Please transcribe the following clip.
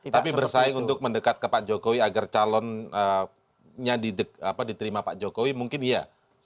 tapi bersaing untuk mendekat ke pak jokowi agar calonnya diterima pak jokowi mungkin iya